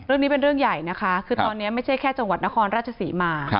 เรื่องนี้เป็นเรื่องใหญ่นะคะคือตอนนี้ไม่ใช่แค่จังหวัดนครราชศรีมา